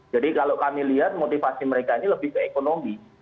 jadi kalau kami lihat motivasi mereka ini lebih ke ekonomi